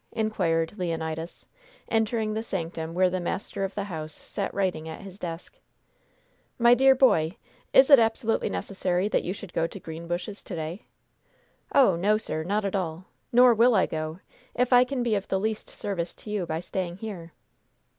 inquired Leonidas, entering the sanctum where the master of the house sat writing at his desk. "My dear boy, is it absolutely necessary that you should go to Greenbushes to day?" "Oh, no, sir; not at all; nor will I go, if I can be of the least service to you by staying here."